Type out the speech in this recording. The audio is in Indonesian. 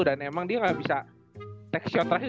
dan emang dia gak bisa take shot terakhir